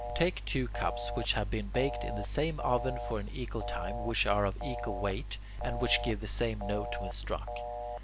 Take two cups which have been baked in the same oven for an equal time, which are of equal weight, and which give the same note when struck.